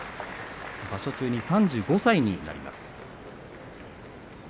場所中に３５歳になりました。